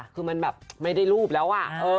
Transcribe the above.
คือมันแบบไม่ได้รูปแล้ว